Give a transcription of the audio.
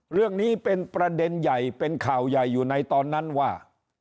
เรื่องนี้เป็นประเด็นใหญ่เป็นข่าวใหญ่อยู่ในตอนนั้นว่า